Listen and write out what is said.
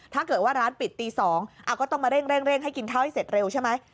ถ้าเกิดว่าร้านปิดตี๒ก็ต้องมาเร่งให้กินข้าวให้เสร็จเร็วใช่ไหม